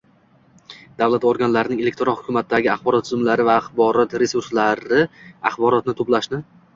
Davlat organlarining elektron hukumatdagi axborot tizimlari va axborot resurslari axborotni to‘plashni